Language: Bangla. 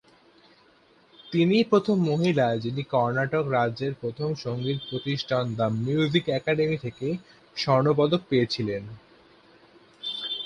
তিনিই প্রথম মহিলা যিনি কর্ণাটক রাজ্যের প্রথম সংগীত প্রতিষ্ঠান দ্য মিউজিক একাডেমি থেকে স্বর্ণপদক পেয়েছিলেন।